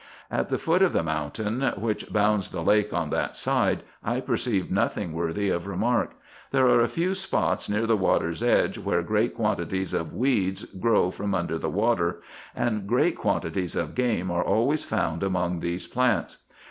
At the foot of the moun tain, which bounds the lake on that side, I perceived nothing worthy of remark. There are a few spots near the water's edge where great quantities of weeds grow from under the water ; and great quantities of game are always found among these plants.